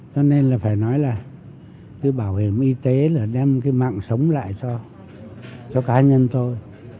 cho nên là phải nói là cái bảo hiểm y tế là đem cái mạng sống lại cho cá nhân tôi